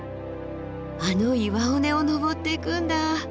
あの岩尾根を登っていくんだ。